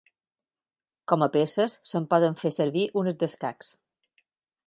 Com a peces, se'n poden fer servir unes d'escacs.